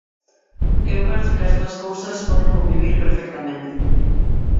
Eu penso que as dúas cousas poden convivir perfectamente.